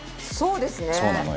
そうですね。